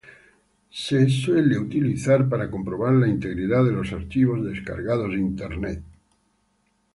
Se suele utilizar para comprobar la integridad de los archivos descargados de Internet.